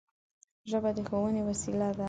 ژبه د ښوونې وسیله ده